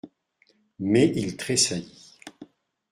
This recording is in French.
Mais il tressaillit.